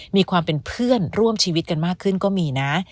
มีความเป็นเพื่อนร่วมชีวิตกันมากขึ้นก็มีนะ